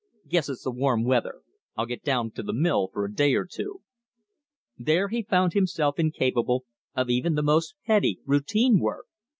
Guess it's the warm weather. I'll get down to the mill for a day or two." There he found himself incapable of even the most petty routine work.